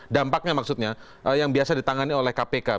dampaknya maksudnya yang biasa ditangani oleh kpk